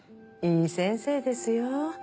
いい先生ですよ。